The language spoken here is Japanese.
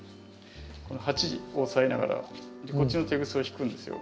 鉢こう押さえながらこっちのテグスを引くんですよ。